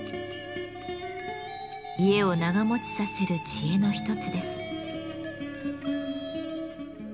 家を長もちさせる知恵の一つです。